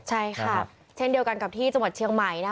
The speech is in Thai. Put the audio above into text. ใช่ค่ะเช่นเดียวกันกับที่จังหวัดเชียงใหม่นะคะ